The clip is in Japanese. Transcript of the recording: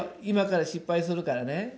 今から失敗するからね。